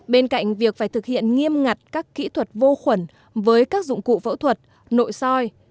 bên cạnh việc phải thực hiện nghiêm ngặt các kỹ thuật vô khuẩn với các dụng cụ phẫu thuật nội soi